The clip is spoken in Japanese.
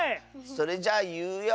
それじゃいうよ！